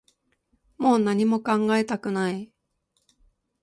もう何も考えたくない